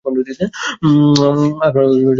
আপনার সোজা তাকান।